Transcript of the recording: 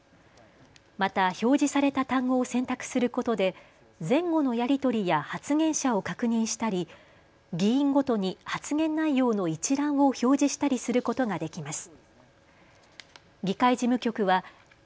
また表示された単語を選択することで前後のやり取りや発言者を確認したり議員ごとに発言内容の一覧を表示したりすることができます。